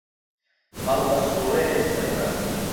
هەڵ ئەسووڕێنێ سەرمەس